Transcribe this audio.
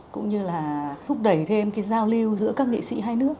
cũng như là thúc đẩy thêm cái giao lưu giữa các nghệ sĩ hai nước